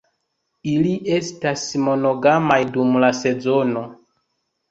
Ili estas monogamaj dum la sezono.